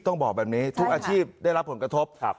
ต้องบอกแบบนี้ทุกอาชีพได้รับผลกระทบ